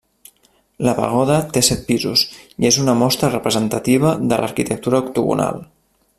La pagoda té set pisos i és una mostra representativa de l'arquitectura octogonal.